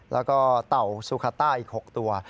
แล้วก็เต่าซูคาต้าอีก๖ตัว